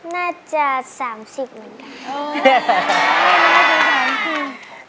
น่าจะ๓๐เหมือนกัน